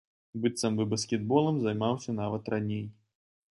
Быццам бы баскетболам займаўся нават раней.